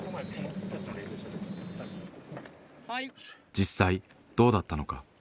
実際どうだったのか。